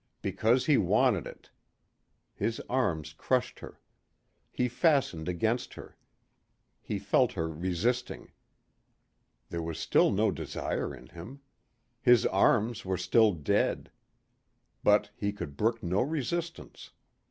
Because he wanted it. His arms crushed her. He fastened against her. He felt her resisting. There was still no desire in him. His arms were still dead. But he could brook no resistance.